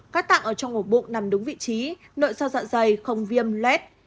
các tạng ở trong ngủ bụng nằm đúng vị trí nội sao dạ dày không viêm lết